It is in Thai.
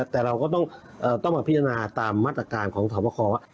แต่เราก็ต้องมาพิจารณาตามมาตรการของสมข้อ